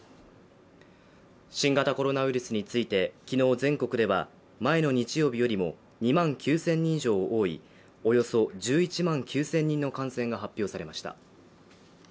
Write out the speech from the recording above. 新型コロナウイルスについて昨日全国では前の日曜日よりも２万９０００人以上多いおよそ１１万９０００人の感染が発表されました。